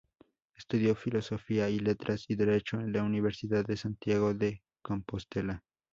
Estudió filosofía y letras y derecho en la Universidad de Santiago de Compostela.